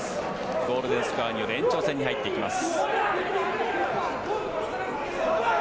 ゴールデンスコアによる延長戦に入っていきます。